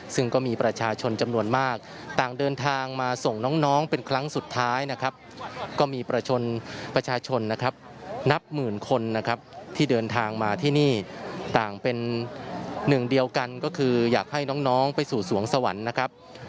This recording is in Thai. ซึ่งก็มีประชาชนจำนวนมากต่างเดินทางมาส่งน้องเป็นครั้งสุดท้ายนะครับก็มีประชาชนนะครับนับหมื่นคนนะครับที่เดินทางมาที่นี่ต่างเป็นหนึ่งเดียวกันก็คืออยากให้น้องไปสู่สวงสวรรค์นะครับ